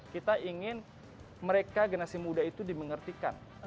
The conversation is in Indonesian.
kita ingin mereka generasi muda itu dimengertikan